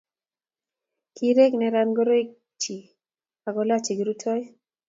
kierek neran ngoroik chi akolach chekirutoi